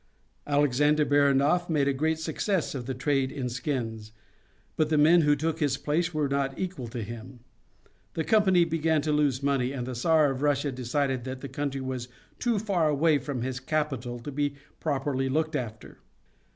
Alexander Baranof made a great success of the trade in skins, but the men who took his place were not equal to him. The company began to lose money, and the Czar of Russia decided that the country was too far away from his capital to be properly looked after.